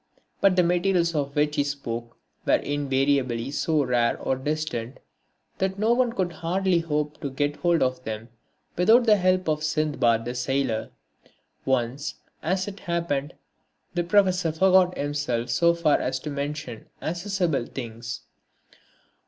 But the materials of which he spoke were invariably so rare or distant that one could hardly hope to get hold of them without the help of Sindbad the sailor. Once, as it happened, the Professor forgot himself so far as to mention accessible things.